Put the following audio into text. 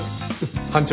班長。